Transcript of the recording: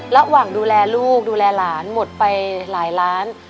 ระหว่างดูแลลูกดูแลหลานหมดไปหลายล้าน